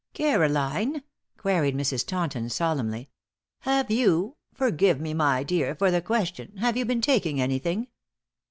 "Caroline," queried Mrs. Taunton, solemnly, "have you forgive me, my dear, for the question have you been taking anything?"